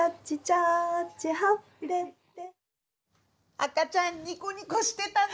赤ちゃんニコニコしてたね！